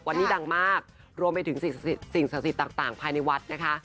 วันนี้ดังมากรวมไปถึงสิ่งศักดิ์สิทธิ์ต่างภายในวัดนะคะ